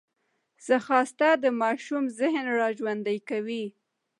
ځغاسته د ماشوم ذهن راژوندی کوي